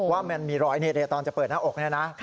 ว่ามันมีรอยตอนจะเปิดหน้าอก